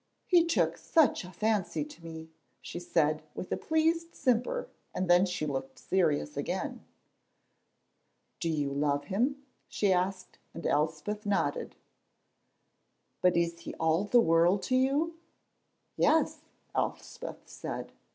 "He took such a fancy to me," she said, with a pleased simper, and then she looked serious again. "Do you love him?" she asked, and Elspeth nodded. "But is he all the world to you?" "Yes," Elspeth said.